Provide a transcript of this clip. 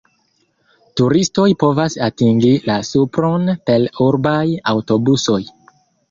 Turistoj povas atingi la supron per urbaj aŭtobusoj.